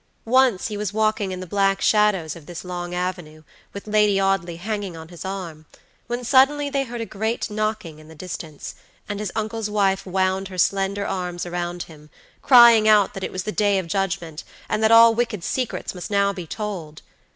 Once he was walking in the black shadows of this long avenue, with Lady Audley hanging on his arm, when suddenly they heard a great knocking in the distance, and his uncle's wife wound her slender arms around him, crying out that it was the day of judgment, and that all wicked secrets must now be told.